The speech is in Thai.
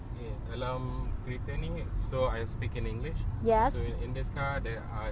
ฟลอาร์ดรีดาร์ฟังรีดาร์และแคมเมอร์